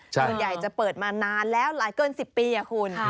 คือใหญ่จะเปิดมานานแล้วรายเกิน๑๐ปีอะคุณ